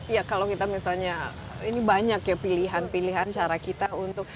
ya kalau kita misalnya ini banyak ya pilihan pilihan cara kita untuk